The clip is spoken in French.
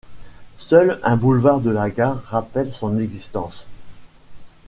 Seul un boulevard de la Gare rappelle son existence.